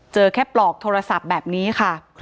เจอแค่ปลอกโทรศัพท์แบบนี้ค่ะ